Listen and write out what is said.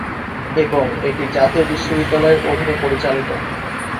এবং এটি জাতীয় বিশ্ববিদ্যালয়ের অধীনে পরিচালিত।